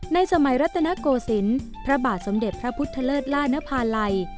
ในสมัยรัตนโกศิลป์พระบาทสมเด็จพระพุทธเลิศล่านภาลัย